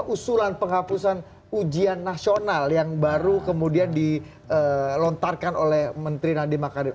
usulan penghapusan ujian nasional yang baru kemudian di lontarkan oleh menteri nadi makadir